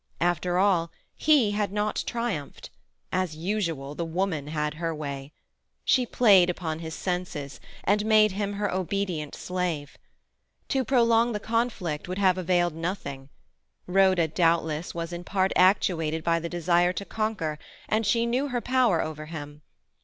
After all, he had not triumphed. As usual the woman had her way. She played upon his senses, and made him her obedient slave. To prolong the conflict would have availed nothing; Rhoda, doubtless, was in part actuated by the desire to conquer, and she knew her power over him.